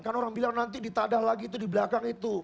kan orang bilang nanti ditadah lagi itu di belakang itu